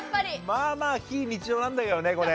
まあまあ非日常なんだけどねこれ。